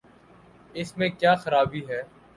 اس میں کیا خرابی ہے؟